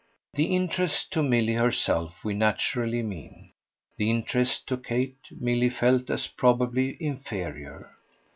The interest to Milly herself we naturally mean; the interest to Kate Milly felt as probably inferior.